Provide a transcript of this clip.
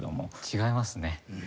違いますね。